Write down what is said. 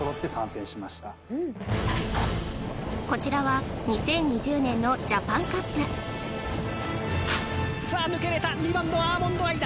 こちらは２０２０年のジャパンカップさあ抜けれた２番のアーモンドアイだ